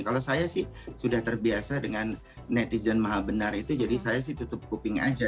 kalau saya sih sudah terbiasa dengan netizen maha benar itu jadi saya sih tutup kuping aja